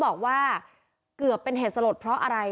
บอกว่าเกือบเป็นเหตุสลดเพราะอะไร